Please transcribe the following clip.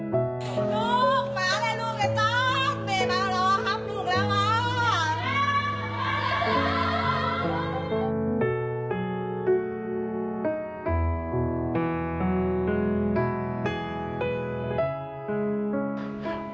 ไม่มาแล้วครับลูกระวัง